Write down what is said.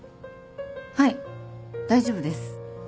はい大丈夫です。